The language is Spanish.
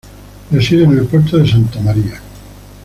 Reside en El Puerto de Santa María.